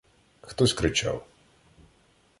Хтось кричав.